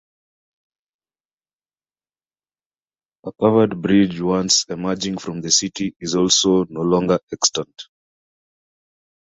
A covered bridge once emerging from the city is also no longer extant.